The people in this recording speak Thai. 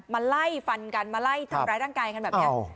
มาไล่ฟันกันมาไล่ทำร้ายร่างกายกันแบบนี้